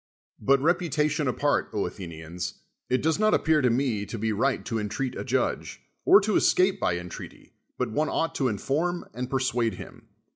But reputation apart, Athenians, it does not appear to me to be right to entreat a judge, or to escape by entreaty, but one ought to inform and persuade him.